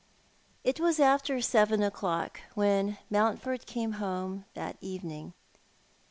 It was after seven o'clock when Mountford came home that evening.